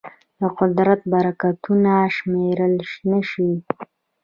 د قدرت برکتونه شمېرل نهشي.